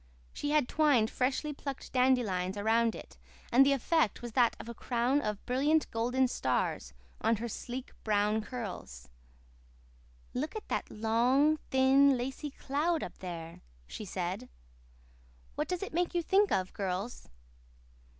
She had twined freshly plucked dandelions around it and the effect was that of a crown of brilliant golden stars on her sleek, brown curls. "Look at that long, thin, lacy cloud up there," she said. "What does it make you think of, girls?"